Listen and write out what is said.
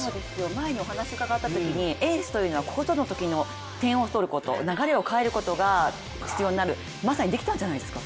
前にお話伺ったときにエースというのはここぞのときに点を取ること流れを変えることが必要になる、まさにできたんじゃないですか？